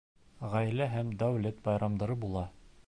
Ғаилә һәм дәүләт байрамдары була